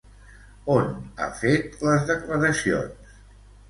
On ha fet les declaracions?